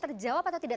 terjawab atau tidak